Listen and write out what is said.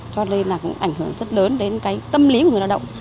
cho nên là cũng ảnh hưởng rất lớn đến cái tâm lý của người lao động